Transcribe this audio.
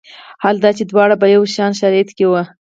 حال دا چې دواړه په یو شان شرایطو کې وي.